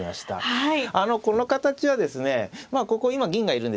はい。